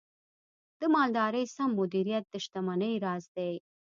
د مالدارۍ سم مدیریت د شتمنۍ راز دی.